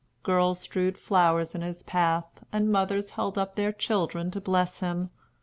Girls strewed flowers in his path, and mothers held up their children to bless him.